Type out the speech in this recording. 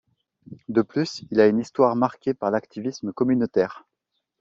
De plus, il a une histoire marquée par l'activisme communautaire.